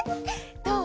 どう？